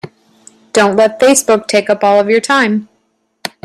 Don't let Facebook take up all of your time.